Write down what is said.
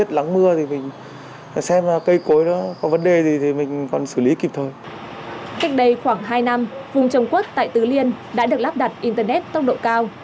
cách đây khoảng hai năm vùng trồng quất tại tứ liên đã được lắp đặt internet tốc độ cao